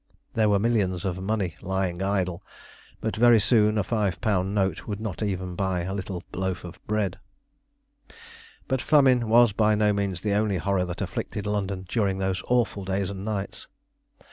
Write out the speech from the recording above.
There were millions of money lying idle, but very soon a five pound note would not buy even a little loaf of bread. But famine was by no means the only horror that afflicted London during those awful days and nights.